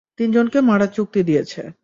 তিনজনকে মারার চুক্তি দিয়েছে।